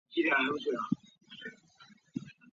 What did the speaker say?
球队的进步十分明显。